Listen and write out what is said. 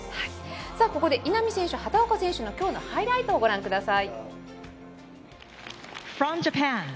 ここで稲見選手、畑岡選手の今日のハイライトをご覧ください。